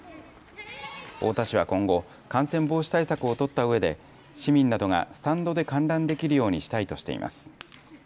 太田市は今後、感染防止対策を取ったうえで市民などがスタンドで観覧できるようにしたいとしています。